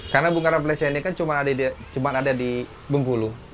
karena bunga rafflesia ini kan cuma ada di bungkulu